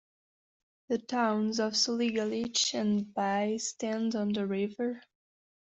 The towns of Soligalich and Buy stand on the river.